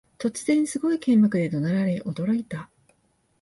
突然、すごい剣幕で怒鳴られ驚いた